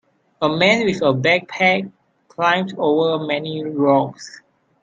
A man with a backpack climbs over many rocks.